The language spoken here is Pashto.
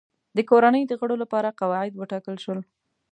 د کورنۍ د غړو لپاره قواعد وټاکل شول.